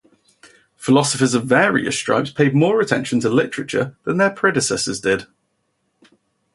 Philosophers of various stripes paid more attention to literature than their predecessors did.